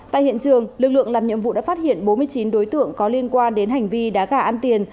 tại hiện trường lực lượng làm nhiệm vụ đã phát hiện bốn mươi chín đối tượng có liên quan đến hành vi đá gà ăn tiền